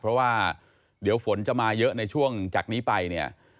เพราะว่าเดี๋ยวฝนจะมาเยอะในช่วงจากนี้ไปเนี่ย